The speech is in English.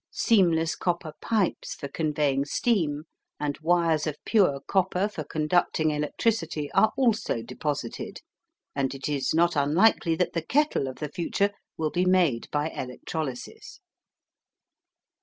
Seamless copper pipes for conveying steam, and wires of pure copper for conducting electricity, are also deposited, and it is not unlikely that the kettle of the future will be made by electrolysis.